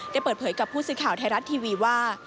เปิดเผยกับผู้สื่อข่าวไทยรัฐทีวีว่า